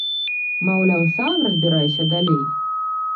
Маўляў, сам разбірайся далей.